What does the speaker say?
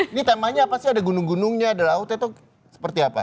ini temanya apa sih ada gunung gunungnya ada lautnya atau seperti apa